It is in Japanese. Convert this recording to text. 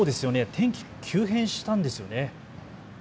天気、急変したんですよね。